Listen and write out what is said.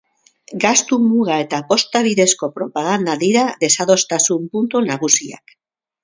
Gastu muga eta posta bidezko propaganda dira desadostasun puntu nagusiak.